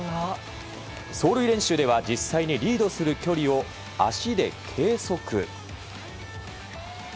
走塁練習では実際にリードする距離を足で計測。